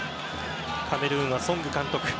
カメルーンはソング監督。